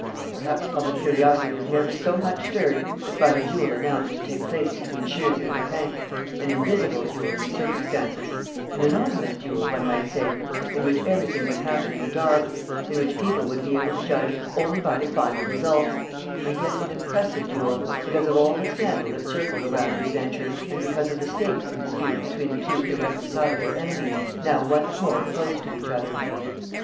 Perhaps public curiosity was never so much stirred as by the duel announced to take place between Shears and Lupin, an invisible duel in the circumstances, an anonymous duel, one might say, in which everything would happen in the dark, in which people would be able to judge only by the final results, and yet an impressive duel, because of all the scandal that circled around the adventure and because of the stakes in dispute between the two irreconcilable enemies, now once more opposed to each other.